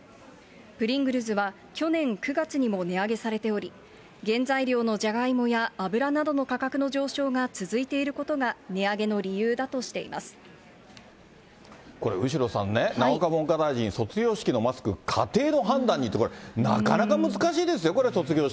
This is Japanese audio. プリングルズは、去年９月にも値上げされており、原材料のじゃがいもや油などの価格の上昇が続いていることが値上これ、後呂さんね、永岡文科大臣、卒業式のマスク、家庭の判断にって、なかなか難しいですよ、これ、卒業式。